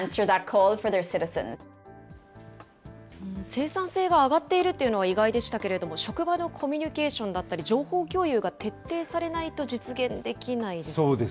生産性が上がっているというのは、意外でしたけれども、職場のコミュニケーションだったり、情報共有が徹底されないと実現できないですよね。